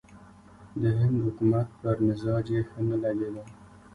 د هند حکومت پر مزاج یې ښه نه لګېدل.